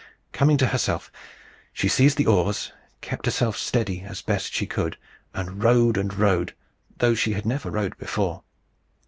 Coming to herself, she seized the oars, kept herself steady as best she could, and rowed and rowed, though she had never rowed before.